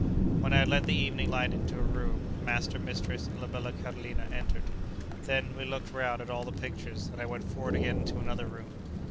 When I had let the evening light into a room, master, mistress, and la bella Carolina, entered. Then, we looked round at all the pictures, and I went forward again into another room.